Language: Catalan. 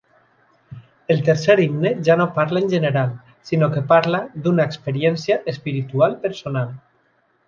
El tercer himne ja no parla en general, sinó que parla d'una experiència espiritual personal.